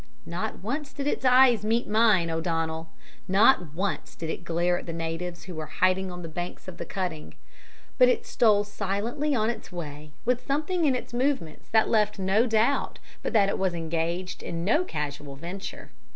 Not once did its eyes meet mine, O'Donnell; not once did it glare at the natives who were hiding on the banks of the cutting; but it stole silently on its way with a something in its movements that left no doubt but that it was engaged in no casual venture.